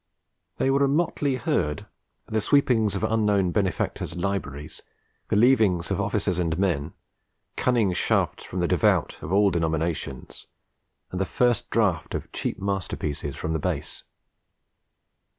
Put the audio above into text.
They were a motley herd: the sweepings of unknown benefactors' libraries, the leavings of officers and men, cunning shafts from the devout of all denominations, and the first draft of cheap masterpieces from the base.